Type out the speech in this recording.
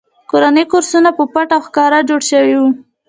کورني کورسونه په پټه او ښکاره جوړ شوي وو